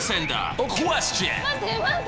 待って待って！